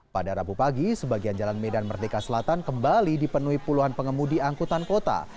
pada rabu pagi sebagian jalan medan merdeka selatan kembali dipenuhi puluhan pengemudi angkutan kota